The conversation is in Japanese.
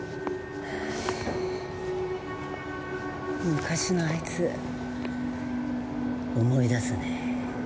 昔のあいつ思い出すね。